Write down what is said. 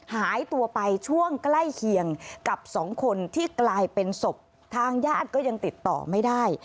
หายตัวไปช่วงใกล้เคียงกับสองคนที่กลายเป็นศพทางญาติก็ยังติดต่อไม่ได้